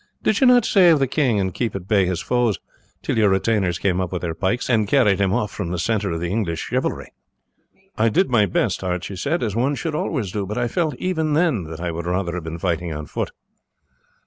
"Did you not save the king, and keep at bay his foes till your retainers came up with their pikes and carried him off from the centre of the English chivalry?" "I did my best," Archie said, "as one should always do; but I felt even then that I would rather have been fighting on foot."